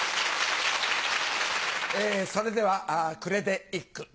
それでは「暮れ」で一句。